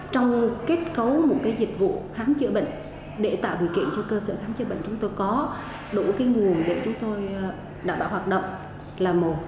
trong kết cấu một cái dịch vụ kháng chữa bệnh để tạo điều kiện cho cơ sở kháng chữa bệnh chúng tôi có đủ cái nguồn để chúng tôi đảm bảo hoạt động là một